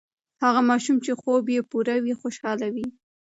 هغه ماشوم چې خوب یې پوره وي، خوشاله وي.